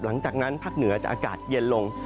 หลังจากนั้นภาคเหนือจะอากาศเย็นลง